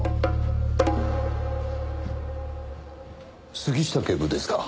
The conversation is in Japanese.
杉下警部ですか？